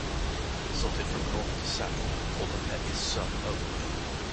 Sorted from north to south, although there is some overlap.